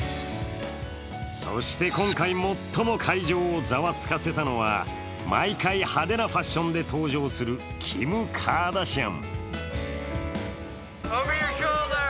そして今回最も会場をざわつかせたのは毎回派手なファッションで登場するキム・カーダシアン。